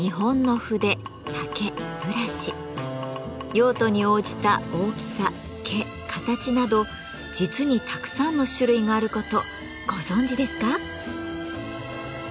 用途に応じた大きさ毛形など実にたくさんの種類があることご存じですか？